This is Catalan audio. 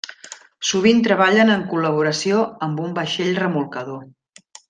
Sovint treballen en col·laboració amb un vaixell remolcador.